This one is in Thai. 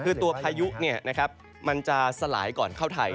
คือตัวพายุมันจะสลายก่อนเข้าไทย